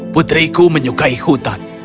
putriku menyukai hutan